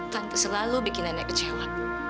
tante selalu bikin nenek kecewa